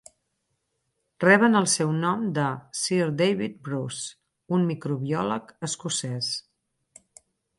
Reben el seu nom de Sir David Bruce, un microbiòleg escocès.